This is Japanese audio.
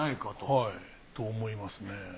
はいと思いますね。